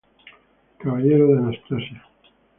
Caballero de Anastasia.